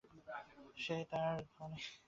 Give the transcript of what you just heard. সে তার ধনে।